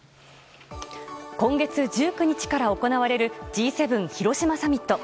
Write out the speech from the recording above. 今月１９日から行われるＧ７広島サミット。